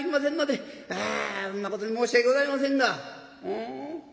あそんなことで申し訳ございませんが」。